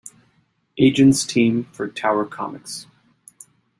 Agents team for Tower Comics.